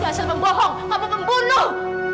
asal membohong kamu membunuh